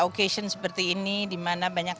ocation seperti ini dimana banyak